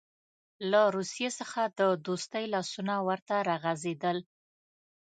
له روسیې څخه د دوستۍ لاسونه ورته راغځېدل.